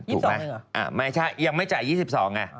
๒๒หนึ่งเหรอไม่ใช่ยังไม่จ่าย๒๒อ่ะ